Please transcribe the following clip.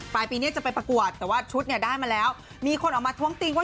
ปลายปีนี้จะไปประกวดแต่ว่าชุดเนี่ยได้มาแล้วมีคนออกมาท้วงติงว่า